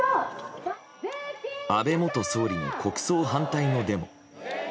安倍元総理の国葬反対のデモ。